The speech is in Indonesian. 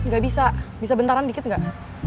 gak bisa bisa bentaran dikit nggak